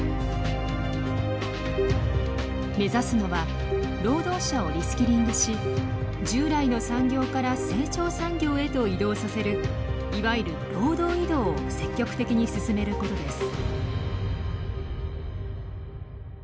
目指すのは労働者をリスキリングし従来の産業から成長産業へと移動させるいわゆる労働移動を積極的に進めることです。